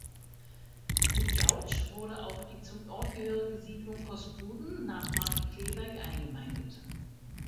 Mit Gautzsch wurde auch die zum Ort gehörige Siedlung Cospuden nach Markkleeberg eingemeindet.